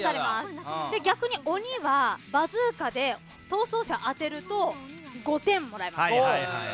逆に鬼はバズーカで逃走者を当てると５点もらえます。